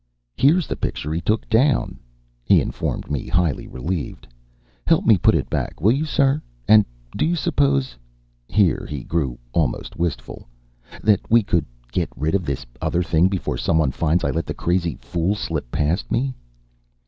"Here's the picture he took down," he informed me, highly relieved. "Help me put it back, will you, sir? And do you suppose," here he grew almost wistful, "that we could get rid of this other thing before someone finds I let the crazy fool slip past me?"